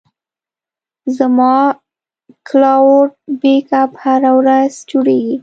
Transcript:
زما کلاوډ بیک اپ هره ورځ جوړېږي.